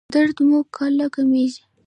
درد مو کله کمیږي؟